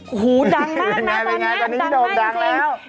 โอ้โฮดังมากนะตอนนี้แน่นดังมากจริง